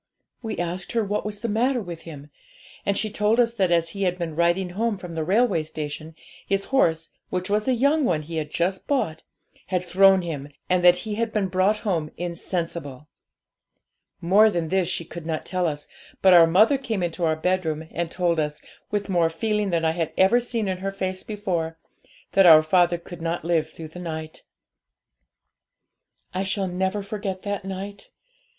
We asked her what was the matter with him, and she told us that as he had been riding home from the railway station, his horse, which was a young one he had just bought, had thrown him, and that he had been brought home insensible. More than this she could not tell us, but our mother came into our bedroom, and told us, with more feeling than I had ever seen in her face before, that our father could not live through the night. 'I shall never forget that night.